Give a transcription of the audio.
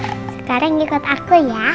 sekarang ikut aku ya